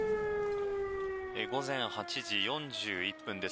午前８時４１分です。